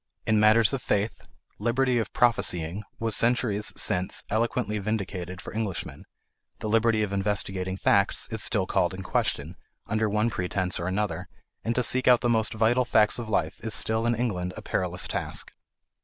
In matters of faith, "liberty of prophesying" was centuries since eloquently vindicated for Englishmen; the liberty of investigating facts is still called in question, under one pretence or another, and to seek out the most vital facts of life is still in England a perilous task.